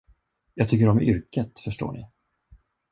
Jag tycker om yrket, förstår ni.